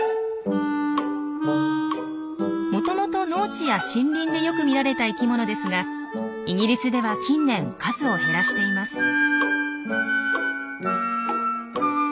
もともと農地や森林でよく見られた生きものですがイギリスでは近年数を減らしています。